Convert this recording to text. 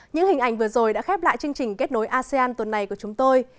những hình ảnh vừa rồi đã khép lại chương trình kết nối asean tuần này của chúng tôi